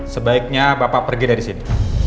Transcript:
sebaiknya bapak pergi dari sini